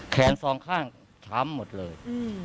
สองข้างช้ำหมดเลย